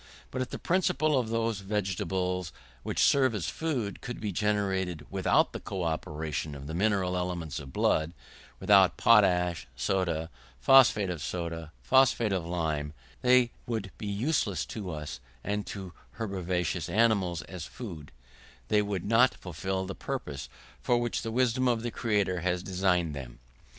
But if the principles of those vegetables, which serve as food, could be generated without the co operation of the mineral elements of blood, without potash, soda, phosphate of soda, phosphate of lime, they would be useless to us and to herbivorous animals as food; they would not fulfil the purpose for which the wisdom of the Creator has destined them.